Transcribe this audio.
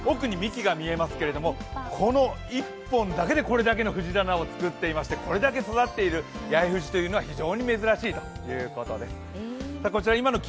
奥に幹が見えますけど、この１本だけでこれだけの藤棚を作っていまして、これだけ育っている八重藤は珍しいということです。